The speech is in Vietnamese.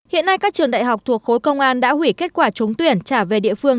hiện nay các trường đại học thuộc khối công an đã hủy kết quả trúng tuyển trả về địa phương